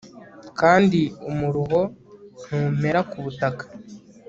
kandi umuruho ntumera ku butaka